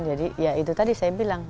jadi ya itu tadi saya bilang